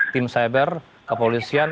tim cyber kepolisian